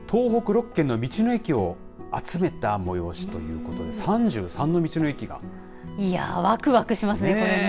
６県の道の駅を集めた催しということで３３の道の駅がいや、わくわくしますねこれね。